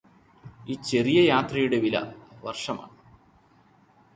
ഈ ചെറിയ യാത്രയുടെ വില വര്ഷമാണ്